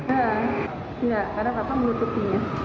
iya karena kakak menutupinya